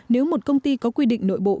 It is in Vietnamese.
nếu một công ty có quy định nội bộ